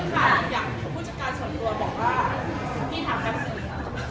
คุณการส่วนตัวบอกว่าที่ถามนักศึกษา